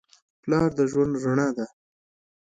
پلار د ژوند رڼا ده.